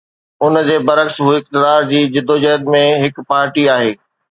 ان جي برعڪس، هو اقتدار جي جدوجهد ۾ هڪ پارٽي آهي.